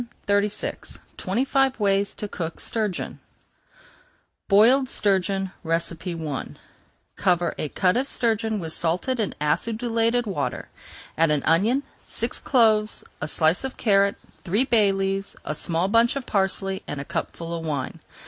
[Page 401] TWENTY FIVE WAYS TO COOK STURGEON BOILED STURGEON I Cover a cut of sturgeon with salted and acidulated water. Add an onion, six cloves, a slice of carrot, three bay leaves, a small bunch of parsley, and a cupful of wine.